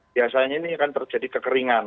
biasanya ini akan terjadi kekeringan